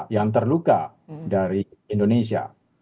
yang terluka dari indonesia